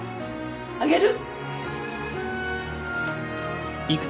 あげる。